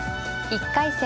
１回戦